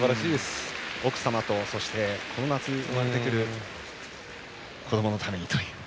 奥様と、そしてこの夏生まれてくる子どものためにという。